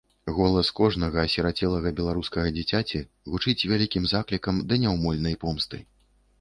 Голас кожнага асірацелага беларускага дзіцяці гучыць вялікім заклікам да няўмольнай помсты.